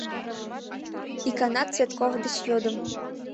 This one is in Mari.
Икана Цветков деч йодым: